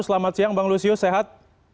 selamat siang bang lusius sehat